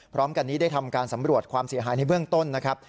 พร้อมกันนี้ได้ทำการสำรวจความเสียหายในเบื้องต้นนะครับ